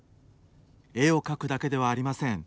絵を描くだけではありません。